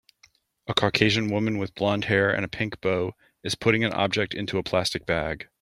A caucasian women with blondhair and a pink bow is putting an object into a plastic bag.